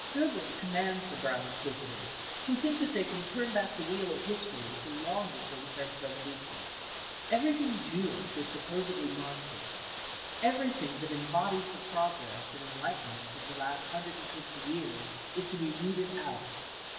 Goebbels commands the Brownr inquisitors, who think that they can turn back the wheel of history to long before the French Revolution. Everything Jewish or supposedly Marxist, everything that embodies the progress and en lightenment of the last hundred and fifty years, is to be rooted out.